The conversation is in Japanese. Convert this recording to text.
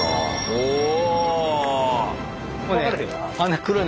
おお！